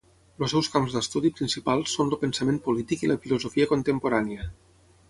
Els seus camps d'estudi principals són el pensament polític i la filosofia contemporània.